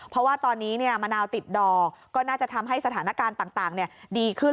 เพราะว่าตอนนี้มะนาวติดดอกก็น่าจะทำให้สถานการณ์ต่างดีขึ้น